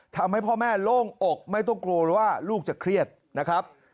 ทำให้พ่อแม่โล่งอกไม่ต้องกลัวว่าลูกจะเครียดนะครับ